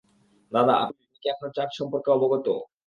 দাদা, আপনি কী আপনার চার্জ সম্পর্কে অবগত?